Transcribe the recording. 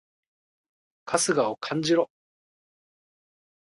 春日を感じろ！